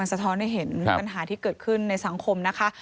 สะท้อนให้เห็นปัญหาที่เกิดขึ้นในสังคมนะคะ